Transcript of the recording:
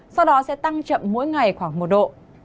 sau đó sẽ tăng chậm mỗi ngày khoảng một độ